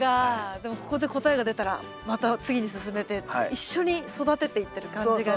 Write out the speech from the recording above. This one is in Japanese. でもここで答えが出たらまた次に進めて一緒に育てていってる感じがね。